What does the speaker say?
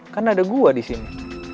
kan ada gue disini